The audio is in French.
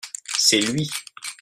c'est lui.